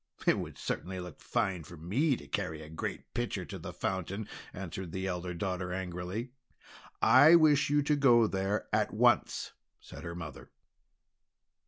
"It would certainly look fine for me to carry a great pitcher to the fountain!" answered the elder daughter angrily. "I wish you to go there at once," said her mother.